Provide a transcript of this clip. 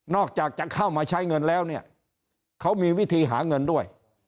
อกจากจะเข้ามาใช้เงินแล้วเนี่ยเขามีวิธีหาเงินด้วย